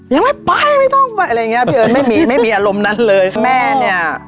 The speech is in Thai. ยังไม่ไปไม่ต้องไปอะไรอย่างเงี้พี่เอิ้นไม่มีไม่มีอารมณ์นั้นเลยแม่เนี้ย